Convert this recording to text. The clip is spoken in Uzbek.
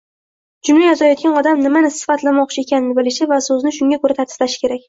Jumla yozayotgan odam nimani sifatlamoqchi ekanini bilishi va soʻzni shunga koʻra tartiblashi kerak